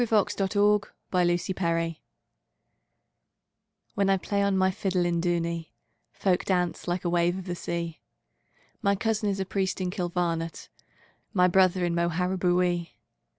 The Fiddler of Dooney WHEN I play on my fiddle in Dooney, Folk dance like a wave of the sea; My cousin is priest in Kilvarnet, My brother in Moharabuiee.